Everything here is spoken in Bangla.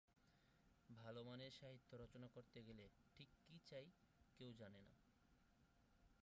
ভালো মানের সাহিত্য রচনা করতে গেলে ঠিক কী চাই কেউ জানে না।